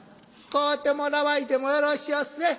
「買うてもらわいでもよろしおすえ。